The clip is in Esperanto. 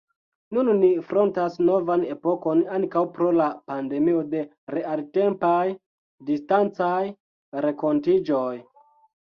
Nun ni frontas novan epokon, ankaŭ pro la pandemio, de realtempaj, distancaj renkontiĝoj.